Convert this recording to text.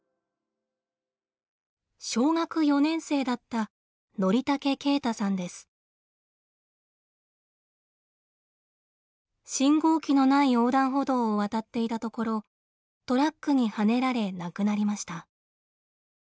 小学４年生だった信号機のない横断歩道を渡っていたところトラックにはねられ亡くなりました。